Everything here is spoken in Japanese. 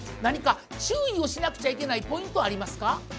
何か注意をしなくちゃいけないポイントありますか？